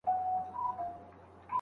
ترومچي